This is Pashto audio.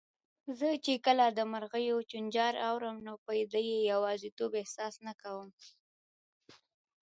زه چي کله د مرغیو چوڼاری اورم، نو به د یوازیتوب احساس نه کوم